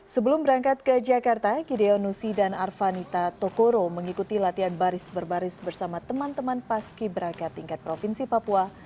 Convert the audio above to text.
sebelum berangkat ke jakarta gideon nusi dan arvanita tokoro mengikuti latihan baris berbaris bersama teman teman paski beraka tingkat provinsi papua